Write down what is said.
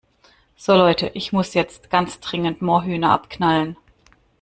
So Leute, ich muss jetzt ganz dringend Moorhühner abknallen.